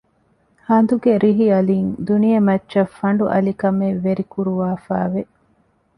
ހަނދުގެ ރިހި އަލިން ދުނިޔެމައްޗަށް ފަނޑު އަލިކަމެއް ވެރިކުރުވާފައި ވެ